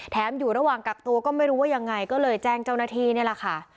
อยู่ระหว่างกักตัวก็ไม่รู้ว่ายังไงก็เลยแจ้งเจ้าหน้าที่นี่แหละค่ะ